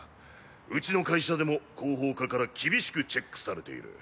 ウチの会社でも広報課から厳しくチェックされている。